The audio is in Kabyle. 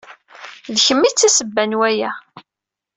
D kemm ay d tasebba n waya.